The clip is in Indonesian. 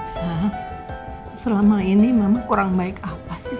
sa selama ini mama kurang baik apa sih